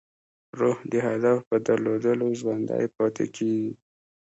روح د هدف په درلودو ژوندی پاتې کېږي.